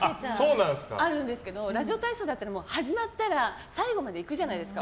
ラジオ体操だったら始まったら最後まで行くじゃないですか。